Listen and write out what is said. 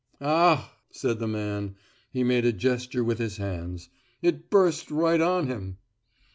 "Ach!" said the man. He made a gesture with his hands. "It burst right on him."